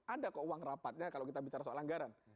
ada kok uang rapatnya kalau kita bicara soal anggaran